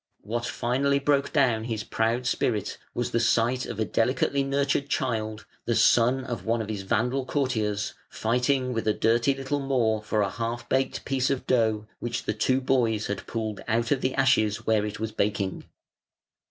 What finally broke down his proud spirit was the sight of a delicately nurtured child, the son of one of his Vandal courtiers, fighting with a dirty little Moor for a half baked piece of dough, which the two boys had pulled out of the ashes where it was baking.